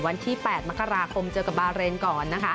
วันที่๘มคเจอกับบาเลร์นก่อน